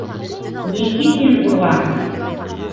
Никитин уға: